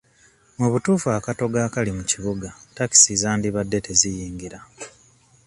Mu butuufu akatogo akali mu kibuga takisi zandibadde teziyingira.